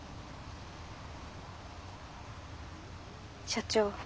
社長。